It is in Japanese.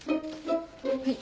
はい。